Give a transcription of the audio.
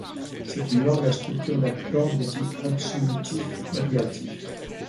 C'est une langue à structure d'actance de type absolutif-ergatif.